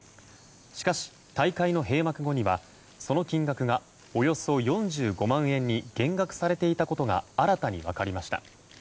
しかし大会の閉幕後にはその金額がおよそ４５万円に減額されていたことが新たに分かりました。